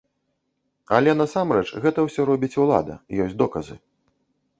Але насамрэч гэта ўсё робіць улада, ёсць доказы.